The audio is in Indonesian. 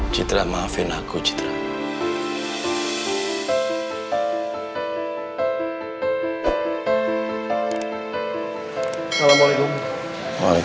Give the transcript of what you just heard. citra maafin aku citra